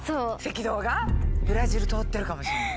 ブラジル通ってるかもしれない。